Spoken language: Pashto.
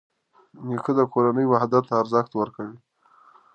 نیکه د کورنۍ وحدت ته ارزښت ورکوي.